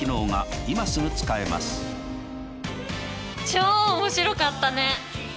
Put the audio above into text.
これで超面白かったね。